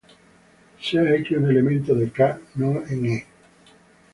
Sea "x" un elemento de "K" no en "E".